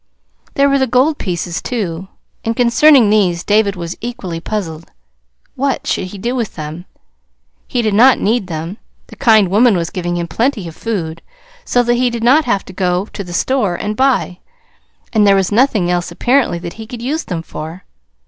There were the gold pieces, too; and concerning these David was equally puzzled. What should he do with them? He did not need them the kind woman was giving him plenty of food, so that he did not have to go to the store and buy; and there was nothing else, apparently, that he could use them for.